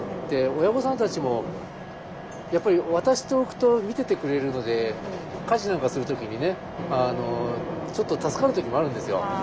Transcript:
親御さんたちもやっぱり渡しておくと見ててくれるので家事なんかする時にねちょっと助かる時もあるんですよ。